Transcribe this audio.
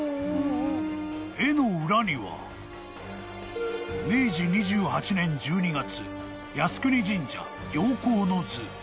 ［絵の裏には明治２８年１２月靖國神社行幸之図］